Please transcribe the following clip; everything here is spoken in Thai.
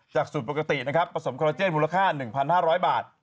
สูตรปกตินะครับผสมคาราเจนมูลค่า๑๕๐๐บาท